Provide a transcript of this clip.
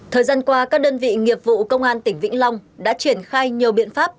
thời gian qua các đơn vị nghiệp vụ công an tỉnh vĩnh long đã triển khai nhiều biện pháp